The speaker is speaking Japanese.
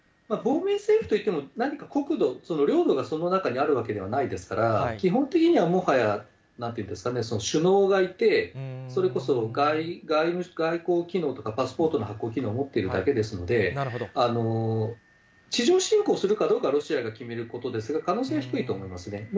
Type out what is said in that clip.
亡命政府といっても、何か国土、領土がその中にあるわけではないですから、基本的にはもはや、なんていうんですかね、首脳がいて、それこそ外交機能とかパスポートの発行機能を持っているだけですので、地上侵攻するかどうか、ロシアが決めることですが、可能性は低いと思いますね。